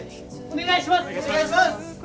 お願いします！